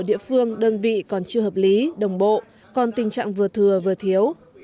địa phương đơn vị còn chưa hợp lý đồng bộ còn tình trạng vừa thừa vừa thiếu